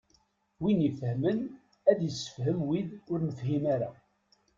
Win ifehmen ad issefhem wid ur nefhim ara.